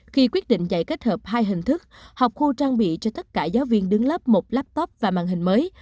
khi quyết định dạy kết hợp hai hình thức học khu trang bị cho tất cả giáo viên đứng lớp một laptop và màn hình mới